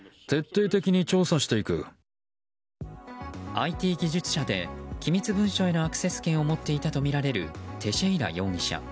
ＩＴ技術者で機密文書へのアクセス権を持っていたとみられる、テシェイラ容疑者。